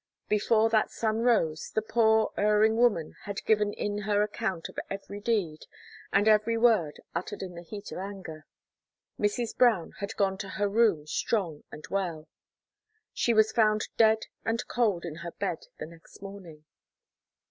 Before that sun rose, the poor, erring woman had given in her account of every deed, and every word uttered in the heat of anger: Mrs. Brown had gone to her room strong and well. She was found dead and cold in her bed the next morning.